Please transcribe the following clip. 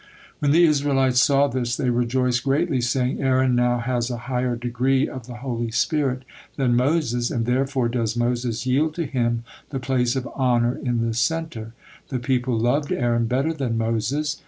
When the Israelites saw this, they rejoiced greatly, saying: "Aaron now has a higher degree of the Holy Spirit than Moses, and therefore does Moses yield to him the place of honor in the center." The people loved Aaron better than Moses.